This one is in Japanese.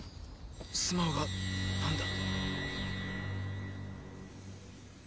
スマホがなんだ？